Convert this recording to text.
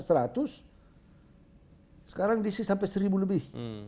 sekarang diisi sampai seribu lebih